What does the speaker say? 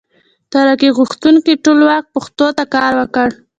ترقي غوښتونکي ټولواک پښتو ته کار وکړ.